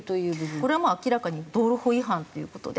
これはもう明らかに道路法違反っていう事で。